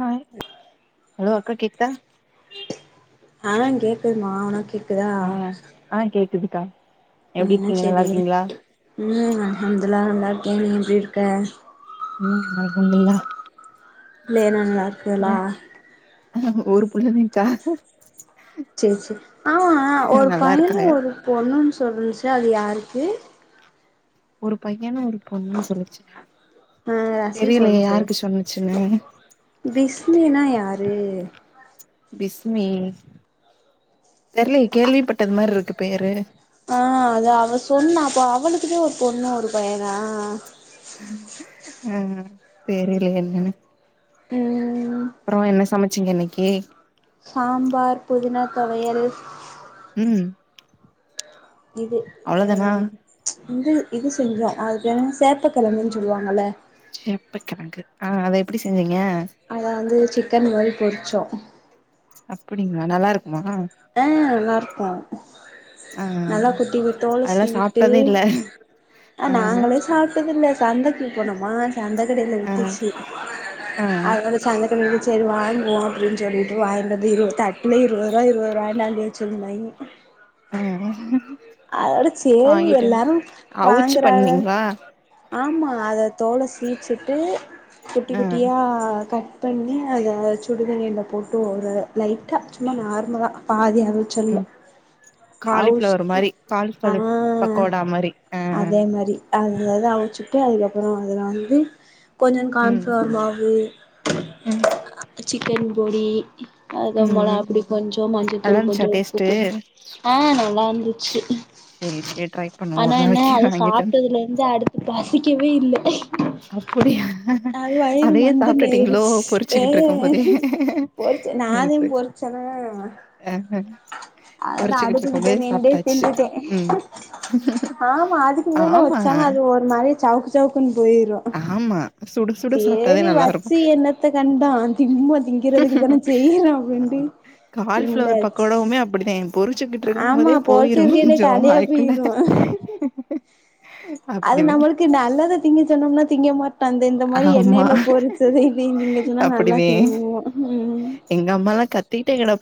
hi hello அக்கா கேக்குதா ஆ உனக் கே ஆ ஆ கேக்குதுக்கா எப்டி என்னா இருக்கீங்க நல்லா செய்ரீக இருக்கீங்களா உம் அல்ஹம்துல்லா நல்லாருக்கே நீ எப்டிருக்க உம் அல்ஹம்தில்லா புள்ளைகலா நல்லா இருக்குகளா ஆ ஒரு புள்ள திங்கா செர் செரி ஆமா ஒர் நல்லா பையனு இருக்காக ஒரு பொண்னு சொல்லுச் அது யாருக்கு ஒரு பையனு ஒரு பொண்ணு சொல்லிச் ஆ ரசி சொல்ச்சு சொன்னுச்சுன்னு பிஸ்மினா யாரு பிஸ்மி தெர்லயே கேள்விப்பட்டது மாறி இருக்கு பேரு ஆ அது அவ சொன்னா அப்ப அவளுக்குத ஒர் பொண்ணு ஒர் பையனா ஆ தெரிலே என்னனு உம் அப்றோ என்ன சமச்சீங்க இன்னக்கி சாம்பார் புதினா தொவயல் ம் இது அ அவ்ளோதானா இது இது செஞ்சோ அது பேரென்ன சேப்பக் கெழங்குனு சொல்வாங்கல்ல சேப்ப கெழங்கு ஆ அத எப்டி செஞ்சீங் அத வந்து சிக்கன் மாறி பொறிச்சோ அப்டிங்ளா நல்லாருக்குமா அ நல்லாருக்கு ஆ நல்ல குட்டிவி தோல அதெல்லா சீவிட்டு சாப்ட்டதே இல்ல அ ஆ நாங்களே சாப்டதில்ல சந்தைக்கு போனோமா சந்த கடைல ஆ வித்துச்சி ஆ அதோட சந் செரி வாங்குவோ அப்டினு சொல்லிட் வாய்ன்ட் வந்து இருவ தட்ல இருவ ரூபா இருவரு வாங்கின்வந்து வச்சி இருந்தைங்க ஆ அதோட சேரி வாங்கிட்டு வந்து எல்லாரு அவுச்சு வாங்குறாக பண்ணீங்களா ஆமா அத தோல சீச்சிட்டு குட்டி ஆ குட்டியா கட் பண்ணி அத சுடுதண்ணீல போட்டு ஒரு லைட்டா சும்மா நார்மலா பாதியா ரச்சல்ல ம் அவுஸ்டு பால்பலு பக்கோடா மாரி ஆ து அமச்சுட்டு அதுக்கப்புற அதுல வந்து கொஞ்ச ம் கான்ஃப்ளவர் மாவு ம் சிக்கன் பொடி அதுக்க ம் மொளகா ம் பொடி கொஞ்சோ நல்லா மஞ்சத்தூள் இருந்துச்சா கொஞ்சோ உப்பு டேஸ்ட்டு கொஞ் ஆ நல்லாருந்து ச்சு சேரி சேரி ட்ரை பண்ணுவோ ஆனா ஒரு என்ன நாளைக்கு அத வாங்கிட்டு வந்து சாப்ட்டதுல இருந்து அடுத்து பசிக்க ரீ இல்ல அப்புடியா அது வயிறு அதயே மந்துண்டு சாப்ட்டுட்டிங்ளோ ஆயிடுச்சு பொரிச்சுக்கிட்டுருக்கும் போதே சு அது நாந்தா சரி பொறிச்சனா ஆ பொறிச்சுக்கிட்டுருக்கும் போதே நின்டே சாப்ட்டா ச்சு தின்டுட்டே ம் ஆமா அதுக்கு மேல ஆமா வச்சாலு அது ஒரு மாரி சவுக்கு சவுக்குன்னு போயிரு ஆமா சுடு சேரி வச்சு என்னத்த கண்டோ திம்போ திங்கறதுக்கு தான செய்றோ அப்பின்ட்டு கால்ஃபிளவர் பக்கோடாவுமே அப்டிதே பொறிச்சுக்கிட்ருக்கும் ஆமா போதே பொறிச்சு போயிரு இருக்கையிலே கொஞ்ச காலியா வாய்க்குள்ள போயிரு அது அப்டிவே நம்மளுக்கு நல்லத திங்க சொன்னோம்னா திங்க மாட் இப்ப அந்த இந்த மாறி ஆமா எண்ணெய்ல பொறிச்சத இதயு திங்க சொன்னா நல்லா திங்குவோ ம் எங்கம்மாலா கத்திக்கிட்டே கெட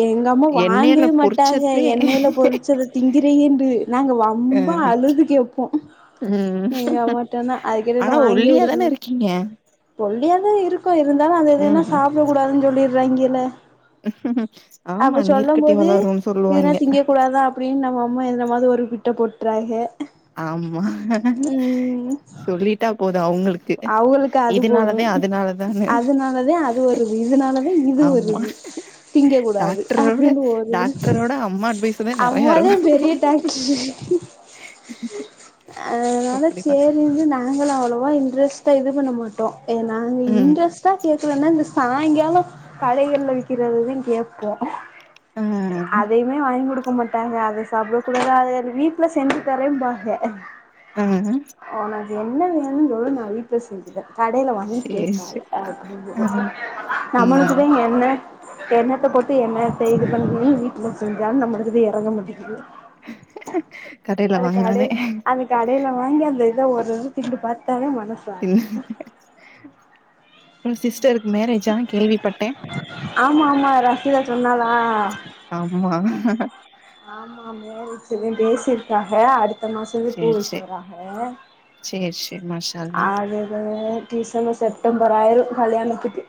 எங்கம்மா வாங்கவே மாட்டாங்க பொறிச்சதுவே எண்ணெய்ல பொறிச்சத திங்கிறீயேண்டு நாங்க ஆ வம்பா அழுது கேப்போ ம் எங்க அம்மாட்டதா அதுக்கிட்ட ஆனா நா வாங்கியே ஒல்லியா தான குடுக்க இருக்கீங்க பொ எதோ இருக்கோ இருந்தாலு அதஇதன்னா ம் சாப்ட கூடாதுன்னு சொல்லீறாங்கல்ல ஆமா அப்ப சொல்லும் நீர்க்கட்டி போது வளருன்னு எதுனா சொல்லுவாய்ங்க திங்க கூடாதா அப்டின்னு நம்ம அம்மா என் அத ஒரு பிட்ட போட்றாக ஆமா ம் சொல்லிட்டா போது அவங்களுக் கு அவுங்களுக்கு அது போது இதனாலதா அதனாலதானு அதுனாலதா அது வருது இதுனாலதா இது ஆம்மா வருது திங்க கூடாது டாக்டரோட அப்டின்னு ஒரு டாக்டரோட அம்மா அட்வைஸ்தா நெறையா அம்மாதா இருக்கு பெரிய டாக்ட்ரு அதனால அப்படிதா சேரிந்து நாங்களு அவ்ளவா இ ன்ட்ரஸ்டா இது பண்ண மாட்டோ எ நாங்க ம் இன்ட்ரஸ்டா கே க்லனா இந்த சாயங்கால கடைகள்ல விக்கிறதுதா கேப்போ ஆ அதையுமே வாங்கி குடுக் க மாட்டாங்க அது சாப்டக் கூடாது அத வீட்ல செஞ்சு தரேம்பாக ம் ம் என்ன வேணுன்னு சொல்லு நா வீட்ல செஞ்சுட்டே கடைல வாங்கி சேரி கேக்காத சேரி அப்டினு ஆ ம் நம்மளுக்குதா இங்கென்ன எண்ணத்த போட்டு எண்ணத்த இது பண்ணி வீட்ல செஞ்சாலு நம்மளுக்கு இது எறங்க மாட்டிக்கிது கடையில அது வாங்குனாலே கடைல்- அது கடைல வாங்கியாந்து து ஒரு திண்டு பாத்தாலே தின்ன ஒரு சிஸ்டர் மேரேஜா கேள்விப்பட்டே கீதா சொன்னாலா ஆமா ஆமா மோரேஜ்தா பேசிர்க்காக அடுத் த மாசதா சேரி பூவிக்க சேரி வர்றாக சேரி சேரி மாஷா அல்லா அதுதா டிசம்பர் செப்டம்பர் ஆயிரு கல்யாணத்துக்கு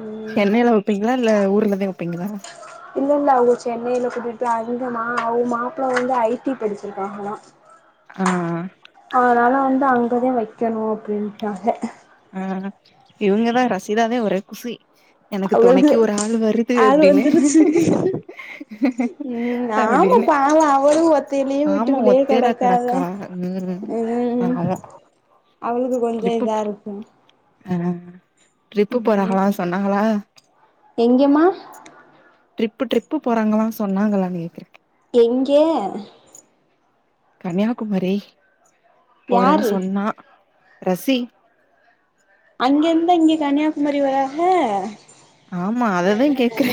ம் சென்னைல வப்பிங்ளா இல்ல ஊர்லதா வப்பிங்களா இல்ல இல்ல அவங்க சென்னைல கூட்டிட்டு அந்த மா- அவு மாப்பிள வந்து ஐ டி படிச்சிருக்காங்கலா ஆ அதனால வந்து அங்கதா வைக்கணு அப்படின்ட்டாக ம் இவுங்கதா ரசிதாதே ஒரே குசி எனக்கு அவளுக்கு தொணைக்கு ஒரு ஆள் வருது ஆள் அப்டின்னு வந்துருச்சு ம் ஆமா அப்டின்னு பாவோ அவளு ஒத்தையிலயே ஆமா வீட்டுக்குள்ளயே ஒத்தையில கெடக்கால கெடக்கா ம் ம் பாவோ அவளுக்கு கொஞ்ச ட்ரிப்பு இதா இருக் ஆ ட்ரிப்பு ம் போறாகளா சொன்னாகளா எங்கேம்மா ட்ரிப்பு ட்ரிப்பு போறாங்களா சொன்னாங்களான்னு கேக்குற எங்கே கன்னியாகுமரி போறேன்னு யாரு சொன்னா ரசி அங்கேருந்தா இங்க கன்னியாகுமரி வராக ஆமா அததா கேக்கற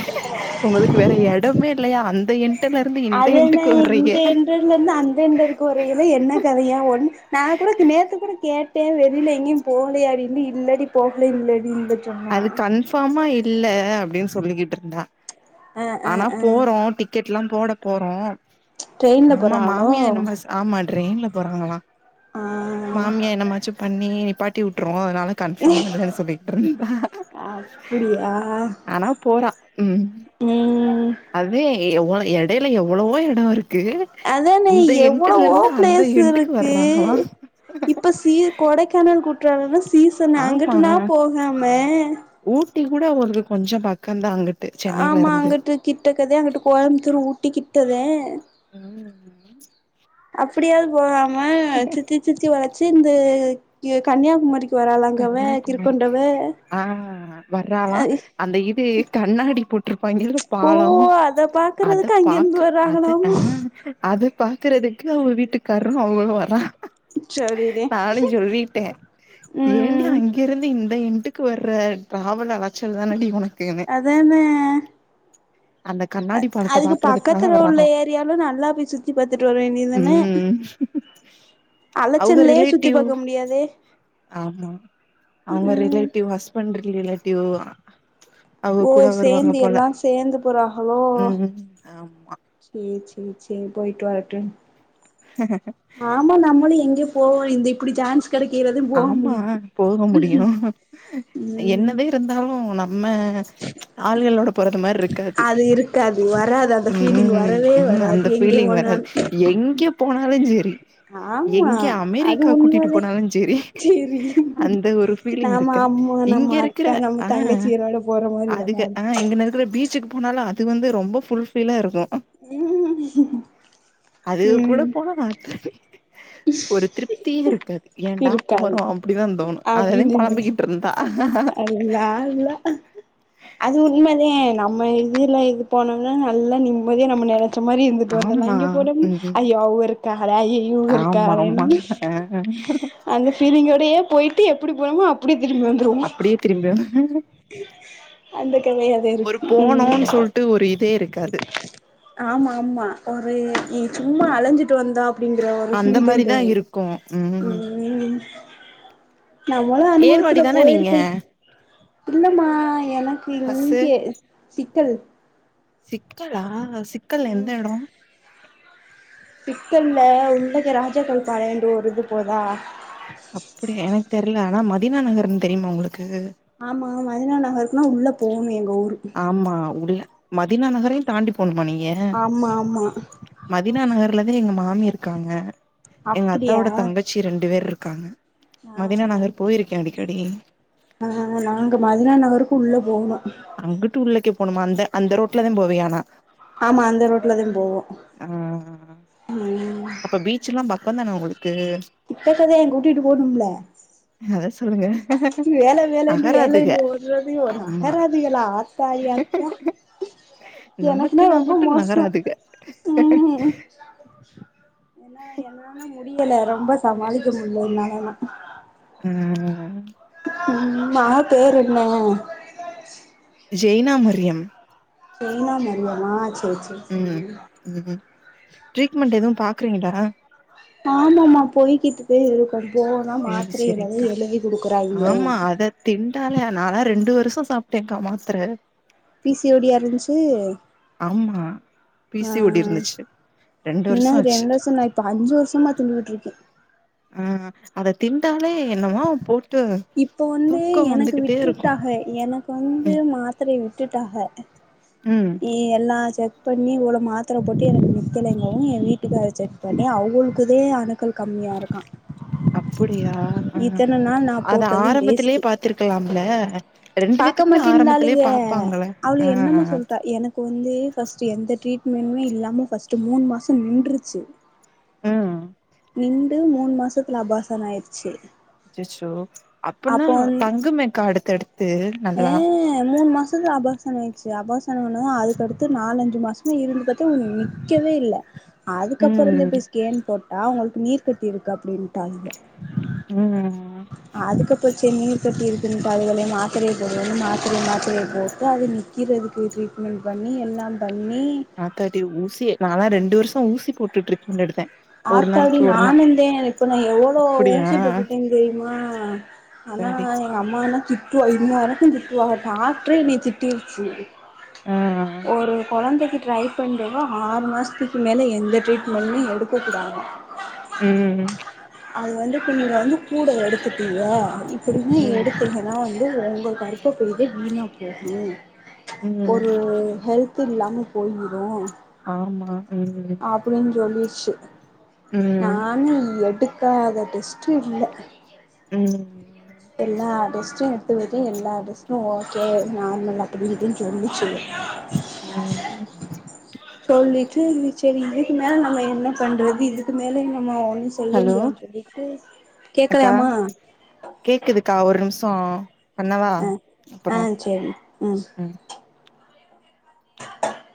உங்களுக்கு வேற எடமே இல்லையா அந்த எண்ட்டுலரு அதன்ன இங்க எண்டர்லேருந்து அந்த எண்டருக்கு வரையில என்ன கதையா ஒன்னு நா கூட நேத்து கூட கேட்டே வெளில எங்கியு போகலையாடின்னு இல்லடி போகலே இல்லடி இல்லடி அது கன்ஃபார்மா இல்ல அப்டின்னு சொல்லிக்கிட்டு இருந்தா ஆ ஆ ஆனா ஆ போறோ டிக்கெட்லா போடப் போறோ ட்ரெயின்ல ஆமா போறாங்களோ மாமியார் என்ன பஸ் ஆமா ட்ரெயின்ல போறாங்களா ஆ மாமியா என்னமாச்சு பண்ணி நிப்பாட்டி உட்டுரு அதனால கன்ஃபார்ம் இல்லன்னு சொல்லிட்டு இருந்தா அப்டியா ஆனா போறா ம் ம் அதே ஒனக் எடையில எவ்வளவோ எடோ இருக் அதானே எவ்வளவோ அந்த பிளேஸ் எண்டுக்கு இருக்கு வர்றாங்களா இப்ப சீ கொடைக்கானல் குற்றாலன்லா சீசனு ஆமா அங்குட்டுனா போகாம ஊட்டி கூட ஒனக்கு கொஞ்ச பக்கந்தா அங்குட் ஆமா அங்குட்டு கிட்டக்கதே அங்குட்டு கோயம்புத்தூர் ஊட்டி கிட்டதே ம் அப்டியாவது போகாம சுத்தி சுத்தி வளச்சு இந்த யோ கன்னியாகுமரிக் கன்னியாகுமரிக்கு ஆ வர்றாலா அந்த இது கண்ணாடி பொட் பயங்கிர ஓ பாலோ அத அத பாக்குறதுக்கு பாக்க அங்கிருந்து அத வராங்களாமா ம் அது பாக்குறதுக்கு அவுங்க வீட்டுக்காரரு அவளு வரா சரிதே நானு சொல்லிட்டே ஏன்டி ம் அங்கேருந்து இங் இந்த எண்டுக்கு வர்ற டிராவல் அலச்சல் தானடி ஒனக் அதான அந்த கண்ணாடி அது படத்த அதுக்கு பாக்குறதுக்காக பக்கத்துல உள்ள வர்றாங்களா ஏரியாலு நல்லா போய் சுத்தி பாத்துட்டு வர வேண்டிய தான ம் அவுங்க அலைச்சல்லையே சுத்திப் ரிலேட்டிவ் பாக்க முடியாதே ஆமா அவுங்க ம் ரிலேட்டிவ் ஹஸ்பண்ட் ரிலேட்டிவ் அவுங்க ஓ கூட வருவாங்க சேந்தி போல எல்லா சேந்து போறாகளோ ம் ஆமா சேர் சேரி சேரி சேர் போயிட்டு வரட்டு ஆமா நம்மளு எங்க போவுல இந்த இப்டி சான்ஸ் கெடைக்கிறது போக ஆமா முடியு போக முடியு ம் என்னதே இருந்தாலு நம் நம்ம ஆளுகளோட போறது மாரி இருக்காது அது இருக்காது வராது அந்த ம் ஃபீலிங் ம் வரவே இன்று வராது அந்த எங்க ஃபீலிங் வராது போனாலு எங்க போனாலு சேரி ஆமா எங்க அது அமெரிக்கா கூட்டிட்டு உண்மதே போனாலு செரி சேரி அந்த ஒரு ஃபீலிங் நாம இருக்கா அம்மா இங்க நம்ம இருக்குற அக்கா நம்ம ஆ தங்கச்சிகளோட போற மாரி அதுக வராது ஆ இங்கன்ன இருக்குற பீச்சுக்கு போனாலு அது வந்து ரொம்ப ஃபுல்ஃபிலா இருக்கு ம் அதுக கூட ம் போனா மாத்த ஒரு திருப்தியே இருக்காது ஏன்டா இருக்காது போறோ அப்டிதா தோணு அதேதா அப்டின்னு பொழம்பிக்கிட்டு இருந்தா அல்லா அல்லா அது உண்ம தே நம்ம இதுல இது போனோம்னா நல்லா நிம்மதியா நம்ம நென ச்ச மாரி இருந்துட்டு வந்துர்லா ஆமா இங்க போனோம்னா ம் ஐய அவுக இருக்காகள ஐய இவுக ஆமா ஆமா இருக்காகளான்னு ஆ அந்த ஃபீலிங்கோடையே போயிட்டு எப்டி போனோமோ அப்டியே திரும்பி வந்துருவோ அப்டியே திரும்பி அந்த கதையாதா இருக்கு ம் அது ஆமா ஆமா ஒரு இ சும்மா அலஞ்சிட்டு வந்தா அப்டிங்கிற ஒரு அந்த ஃபீல் தா மாரிதா தோணு இருக்கு ம் நா மொத அனுபவத்துல ஏர்வாடி தான நீங்க போயிருக்கே இல்லம்மா எனக்கு ஹஸ்ஸு இங்க சிக்கல் சிக்கலா சிக்கல்ல எந்த எடோ சிக்கல்ல உள்ளக்க ராஜக்கல்பாளையன்டு ஒரு இது போதா அப்டியா எனக்கு தெரில ஆனா மதினா நகர்ன்னு தெரியுமா ஒங்களுக்கு ஆ மதினா நகருக்குன்னா உள்ள போணு எங்க ஊரு ஆமா உள்ள மதினா நகரையு தாண்டி போணுமா நீங்க ஆமா ஆமா மதினா நகர்லதே எங்க மா மாமி இருக்காங்க எங்க அப்டியா அத்தாவோட தங்கச்சி ரெண்டு பேர் இருக்காங்க ஆ மதினா நகர் போயிருக்கே அடிக்கடி ஆ நாங்க மதுரா நகருக்கு உள்ள போகணு அங்குட்டு உள்ளக்கே போணுமா அந்த அந்த ரோட்ல தா போவே ஆனா ஆமா அந்த ரோட்லதா போவோ ஆ ம் அப்ப பீச்ல்லா பக்கந்தான ஒங்களுக்கு கிட்டக்கதே கூட்டிட்டு போணும்ல்ல அத சொல்லுங்க வேல வேலன்ட்டு நகராதுக வேலன்ட்டு ஓடுறது ஒரு ஆமா நகராதுகளா ஆத் சாரி அக்கா நமக்கு எனக்குன்னே நான் ரொம்ப மட்டு மோசோ நகராதுக ம் ஏன்னா என்னால முடியல ரொம்ப சமாளிக்க முடியல என்னாலன்னா ம் ம் மகப் பேர் என்ன ஜெய்னா மர்யம் ஜெய்னா மரியமா சே ம் ம் ட்ரீட்மெண்ட் எதுவு பாக்றீங்களா ஆமாமா போய்கிட்டுதே இருக்கோ சேரி சேரிங்க்கா குடுக்குறாய்ங்க ஆமா அத திண்டாலே நால்லா ரெண்டு வருஷோ நானு சாப்ட்டேக்கா மாத்தர பி சி ஓ டியா இருந்துச்சி ஆமா பி சி ஆ ஓ டி இருந்துச்சு ரெண்டு முன்ன வருஷோ ஆச்சு ரெண்டு வருஷந்தா இப்ப அஞ்சி வருஷமா தின்னுட் ருக்கே ஆ அத திண்டாலே என்னமா போட் இப்ப வந்து எனக்கு இருக்கு விட்டுட்டாக எனக்கு வந்து ம் மாத்தரைய விட்டுட்டாக ம் ஏ என்னாச்சி பண்ணி இவ்ளோ மாத்தர போட்டு எனக்கு நிக்கலங்கவு ஏ வீட்டுக்கார செக் பண்ணி அவுங்களுக்குதே அணுக்கள் கம்மி யா இருக்கா அப்டியா ஆ இத்தன நாள் நா அத போட்டது ஆரம்பத்லயே பாத்துருக்கலாம்ல்ல பாக்கமாட்டேன்டாளுக ஆ அவளுக என்னமோ சொல்றா எனக்கு வந்து ஃபர்ஸ்ட் எந்த ட்ரீட்மெண்ட்டுமே இல்லாம ஃபர்ஸ்ட் மூணு மாசோ நின்ருச்சி ஆ நிண்டு மூணு மாசத்துல அபாசன் ஆயிருச்சி அச்சச்சோ அப்டின்னா தங்குமேக்கா அடுத்தடுத் ஆ மூணு மாசோ நின்னு அபாசன் ஆயிடுச்சி அபாசன் ஆனது அதுக்கடுத்து நாலஞ்சி மாசமா இருந்து பாத்தே நிக்கவே இல்ல அதுக்கப்பறோ தா ம் போய் ஸ்கேன் போட்டா ஒங்களுக்கு நீர் கட்டி இருக்கு அப்டின் றாலுக ம் அதுக்கப்பறோ சேரி நீர்க்கட்டி இருக்குன்டாலுகளேன்னு ஆத் சரியா போய்டுன்னு மாத்தரய மாத்தரய போட்டு அது நிக்கிறதுக்கு ட்ரீட்மெண்ட் பண்ணி எல்லா பண் ஆத்தாடி ஊசி நால்லா ரெண்டு வருஷோ ஊசி போட்டுட்ருக்க ட்ரீட்மெண்ட் எடுத்தே ஒரு ஆத்தாடி நாளைக்கு ஒரு நா நானுந்தே இப்ப நா எவ்ளோ அப்புடியா ஊசிப்போட்டுட்டே தெரியுமா ஆனா ஆத்தாடி எங்கம்மானா திட்டுவா இன்ன வரைக்கு திட்டுவாக டாக்டரே என்ன திட்டிருச்சு ஆ ஆ ஒரு கொழந்தைக்கு ட்ரை பண்ணுறவ ஆறு மாசத்துக்கு மேலே எந்த ட்ரீட்மெண்ட்டு எடுக்கக்கூடாது ம் அது வந்து கொஞ்ச வந்து கூட எடுத்துட்டீங்க இப்படின்னி ம் எடுத்தீகன்னா வந்து வந்து உங்க கருப்ப பைதா வீணா போகும் ம் ஒரு ஹெல்த் து இல்லாம போய்விடு ஆமா ம் ம் அப்டின் சொல்லிச்சு ம் நானு எடு எடுக்காத டெஸ்டு இல்ல ம் எல்லா டெஸ்ட்டு எடுத்து வ எல்லா டெஸ்டு ஓகே நார்மல் அப்படினு சொல்லி செய்யு ம் ம் சேரி சரி இதுக்கு மேல நம்ம என்ன பண்றது இதுக்கு மேல நம்ம செய்ய ஹலோ முடியாதுனு சொல்லிட்டு கேக்கலாமா அக்கா கேக்குதுக்கா ஒரு நிமிஷ பண்ணாவா ஆ அப்புற ஆ சரி ம் [inaudible]